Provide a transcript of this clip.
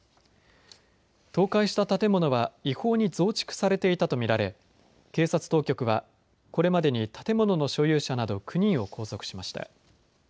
倒壊した建物は違法に増築されていたと見られ警察当局はこれまでに建物の所有者など９人を拘束しました。